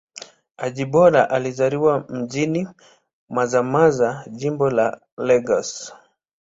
Ajibola alizaliwa mjini Mazamaza, Jimbo la Lagos.